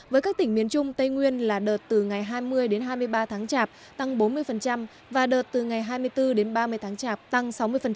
với các tỉnh miền trung tây nguyên là đợt từ ngày hai mươi đến hai mươi ba tháng chạp tăng bốn mươi và đợt từ ngày hai mươi bốn đến ba mươi tháng chạp tăng sáu mươi